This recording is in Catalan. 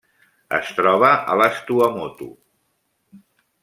Es troba a les Tuamotu.